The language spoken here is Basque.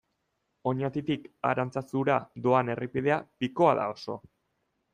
Oñatitik Arantzazura doan errepidea pikoa da oso.